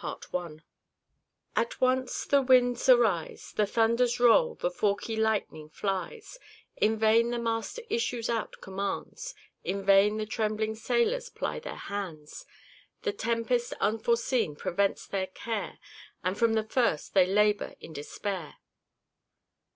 Chapter XIV At once the winds arise, The thunders roll, the forky lightning flies; In vain the master issues out commands, In vain the trembling sailors ply their hands: The tempest unforeseen prevents their care, And from the first, they labour in despair.